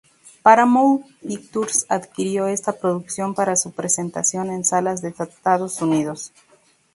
Paramount Pictures adquirió esta producción para su presentación en salas de Estados Unidos.